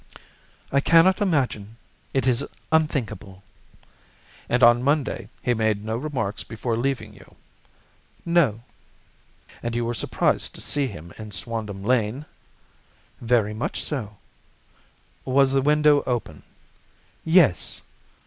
"I cannot imagine. It is unthinkable." "And on Monday he made no remarks before leaving you?" "No." "And you were surprised to see him in Swandam Lane?" "Very much so." "Was the window open?" "Yes."